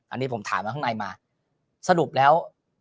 อันนี้ผมถามมาข้างในมาสรุปแล้ว